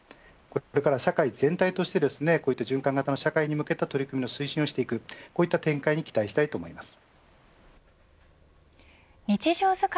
これから社会全体として循環型の社会に向けた取り組みを浸透させていくこういった展開に期待したいです。